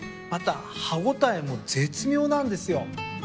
また歯応えも絶妙なんですよ。